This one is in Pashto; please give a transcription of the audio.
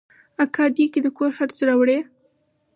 اکا دې د کور خرڅ راوړي.